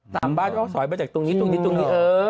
ตามบ้านเขาสอยมาจากตรงนี้ตรงนี้ตรงนี้